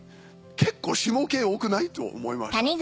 結構下系多くない？と思いました。